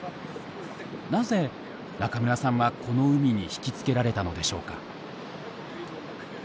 なぜ中村さんはこの海に引き付けられたのでしょうか。